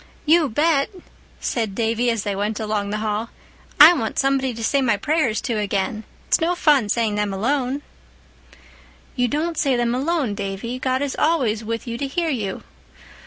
"You bet," said Davy, as they went along the hall. "I want somebody to say my prayers to again. It's no fun saying them alone." "You don't say them alone, Davy. God is always with you to hear you."